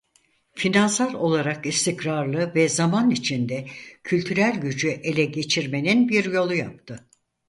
Finansal olarak istikrarlı ve zaman içinde kültürel gücü ele geçirmenin bir yolu yaptı.